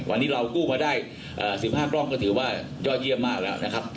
วันนี้เรากู้มาได้๑๕กล้องก็ถือว่ายอดเยี่ยมมากแล้วนะครับ